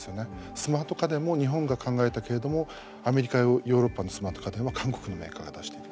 スマート家電も日本が考えたけれどもアメリカやヨーロッパのスマート家電は韓国のメーカーが出している。